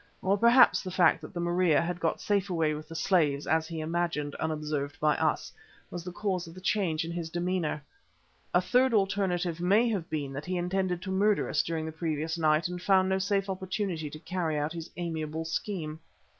Or perhaps the fact that the Maria had got safe away with the slaves, as he imagined unobserved by us, was the cause of the change of his demeanour. A third alternative may have been that he intended to murder us during the previous night and found no safe opportunity of carrying out his amiable scheme.